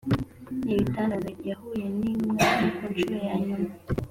n ibitangaza Yahuye n intumwa ze ku ncuro ya nyuma